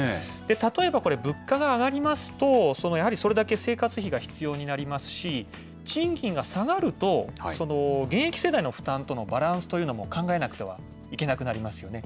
例えばこれ、物価が上がりますと、それだけ生活費が必要になりますし、賃金が下がると、現役世代の負担とのバランスというのも考えなくてはいけなくなりますよね。